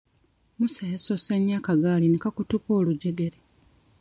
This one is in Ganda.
Musa yasosse nnyo akagaali ne kakutuka olujjegere.